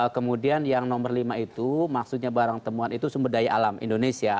kemudian yang nomor lima itu maksudnya barang temuan itu sumber daya alam indonesia